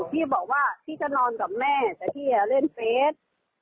พี่บอกว่าพี่จะนอนกับแม่แต่พี่เล่นเฟส